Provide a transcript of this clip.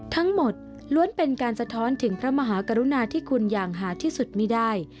ทั้งหมดล้วนเป็นการสะท้อนถึงพระมหากรุณาที่คุณอย่างหาที่สุดไม่ได้